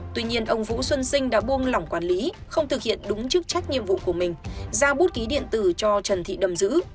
tuy nhiên ông vũ xuân sinh đã buông lỏng quản lý không thực hiện đúng chức trách nhiệm vụ của mình ra bút ký điện tử cho trần thị đầm dữ